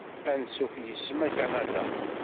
Ansuf yis-m ar Kanada!